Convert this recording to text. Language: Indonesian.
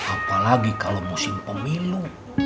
apa lagi kalau musim pemilu